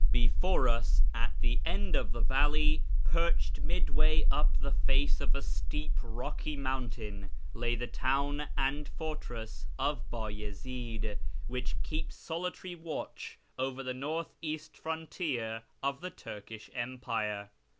Before us, at the end of the valley, perched midway up the face of a steep, rocky mountain, lay the town and fortress of Bayezid, which keeps solitary watch over the north east frontier of the Turkish Empire.